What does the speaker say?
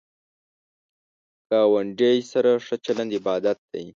ګاونډی سره ښه چلند عبادت دی